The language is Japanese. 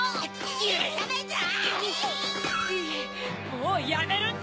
もうやめるんだ！